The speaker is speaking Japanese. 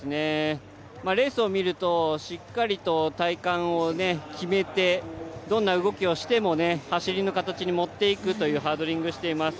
レースを見るとしっかりと体幹を決めてどんな動きをしても走りの形に持っていくというハードリングをしています。